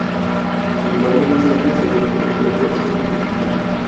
Sin embargo, más tarde sería reconocido por su contribución.